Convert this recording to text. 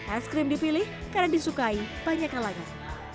es krim dipilih karena disukai banyak hal lain